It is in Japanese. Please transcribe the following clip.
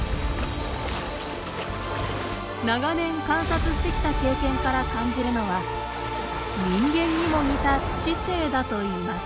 長年観察してきた経験から感じるのは人間にも似た知性だといいます。